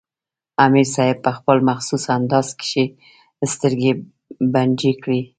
امیر صېب پۀ خپل مخصوص انداز کښې سترګې بنجې کړې